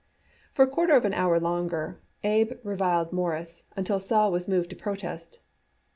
For a quarter of an hour longer Abe reviled Morris, until Sol was moved to protest.